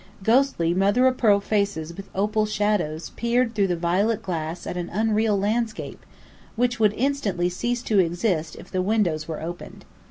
Ghostly, mother o' pearl faces with opal shadows, peered through the violet glass at an unreal landscape, which would instantly cease to exist if the windows were opened.